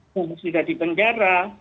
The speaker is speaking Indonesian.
femisida di penjara